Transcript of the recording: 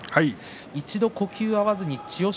一度呼吸が合わず、千代翔